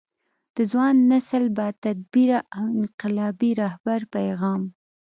د ځوان نسل با تدبیره او انقلابي رهبر پیغام